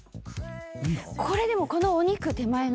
これでもこのお肉手前の。